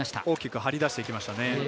大きく張り出していきましたね。